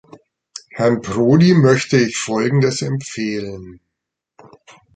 Herrn Prodi möchte ich folgendes empfehlen.